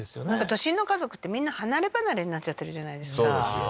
都心の家族ってみんな離れ離れになっちゃってるじゃないですかそうですよ